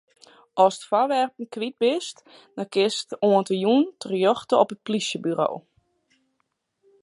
Ast foarwerpen kwyt bist, dan kinst oant yn 'e jûn terjochte op it plysjeburo.